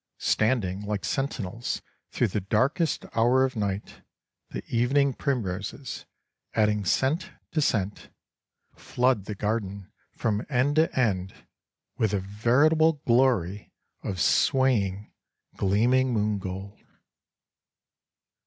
Standing like sentinels through the darkest hours of night, the evening primroses, adding scent to scent, flood the garden from end to end with a veritable glory of swaying, gleaming moon gold.